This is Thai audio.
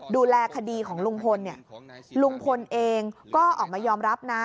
ดูแลคดีของลุงพลเนี่ยลุงพลเองก็ออกมายอมรับนะ